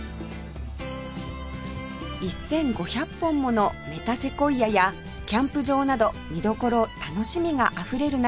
１５００本ものメタセコイアやキャンプ場など見どころ楽しみがあふれる中